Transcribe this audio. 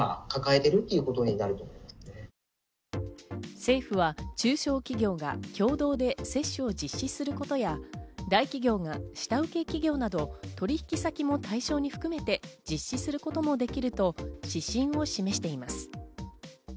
政府は中小企業が共同で接種を実施することや、大企業が下請け企業など取引先も対象に含めて実施することもできると指針を示しています。